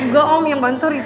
gak om yang bantu rifki